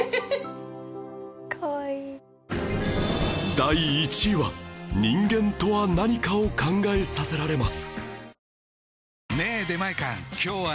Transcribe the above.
第１位は人間とは何かを考えさせられます